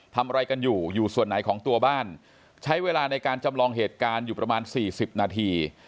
ทำอะไรกันอยู่อยู่ส่วนไหนของตัวบ้านใช้เวลาในการจำลองเหตุการณ์อยู่ประมาณสี่สิบนาที